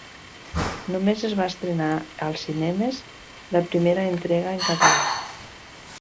Només es va estrenar als cinemes la primera entrega en català.